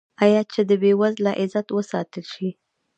آیا چې د بې وزله عزت وساتل شي؟